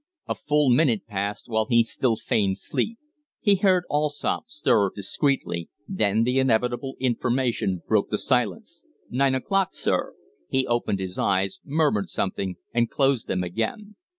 A full minute passed while he still feigned sleep. He heard Allsopp stir discreetly, then the inevitable information broke the silence: "Nine o'clock, sir!" He opened his eyes, murmured something, and closed them again.